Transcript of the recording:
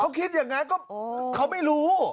เขาคิดอย่างนั้นก็เขาไม่รู้